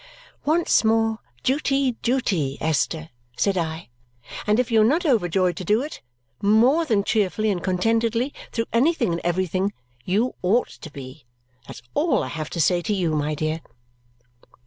"Once more, duty, duty, Esther," said I; "and if you are not overjoyed to do it, more than cheerfully and contentedly, through anything and everything, you ought to be. That's all I have to say to you, my dear!"